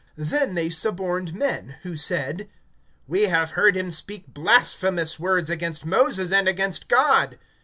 (11)Then they suborned men, who said: We have heard him speak blasphemous words against Moses, and against God.